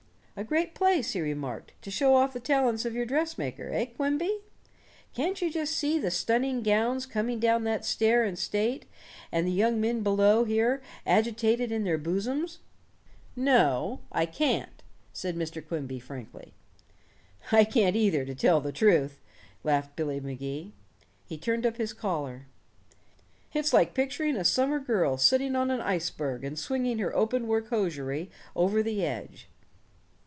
"A great place," he remarked, "to show off the talents of your dressmaker, eh, Quimby? Can't you just see the stunning gowns coming down that stair in state, and the young men below here agitated in their bosoms?" "No, I can't," said Mr. Quimby frankly. "I can't either, to tell the truth," laughed Billy Magee. He turned up his collar. "It's like picturing a summer girl sitting on an iceberg and swinging her open work hosiery over the edge.